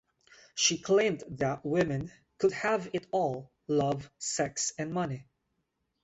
She claimed that women could have it all - "love, sex, and money".